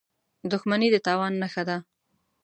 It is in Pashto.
• دښمني د تاوان نښه ده.